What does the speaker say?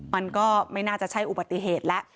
มันก็ไม่น่าจะใช่อุบัติเหตุแล้ว